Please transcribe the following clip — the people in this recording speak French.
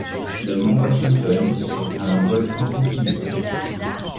Le Mont Washington est un volcan bouclier.